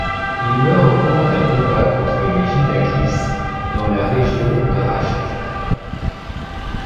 Il meurt au cours d’un combat contre les Gilakis dans la région de Rasht.